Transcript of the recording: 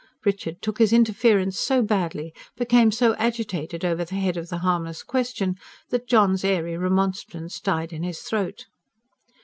Richard took his interference so badly, became so agitated over the head of the harmless question that John's airy remonstrance died in his throat.